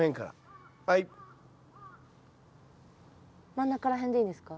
真ん中らへんでいいんですか？